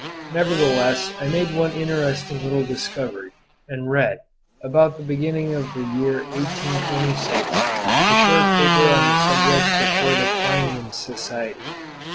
Nevertheless I made one interesting little discovery, and read, about the beginning of the year 1826, a short paper on the subject before the Plinian Society.